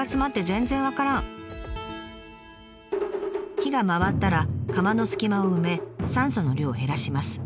火が回ったら窯の隙間を埋め酸素の量を減らします。